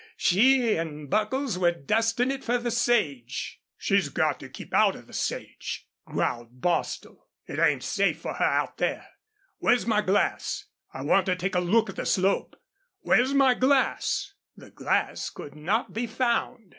she an' Buckles were dustin' it fer the sage." "She's got to keep out of the sage," growled Bostil. "It ain't safe for her out there.... Where's my glass? I want to take a look at the slope. Where's my glass?" The glass could not be found.